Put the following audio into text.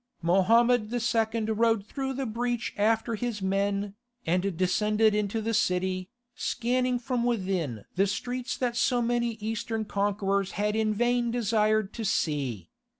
Mohammed II. rode through the breach after his men, and descended into the city, scanning from within the streets that so many Eastern conquerors had in vain desired to see.